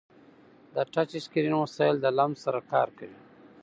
د ټچ اسکرین وسایل د لمس سره کار کوي.